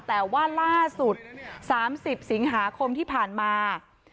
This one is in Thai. แต่ว่าล่าสุด๓๐สิงหาคมที่ผ่านมา